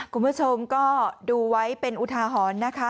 คุณผู้ชมก็ดูไว้เป็นอุทาหรณ์นะคะ